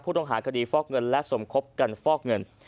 ต้องหาคดีฟอกเงินและสมคบกันฟอกเงิน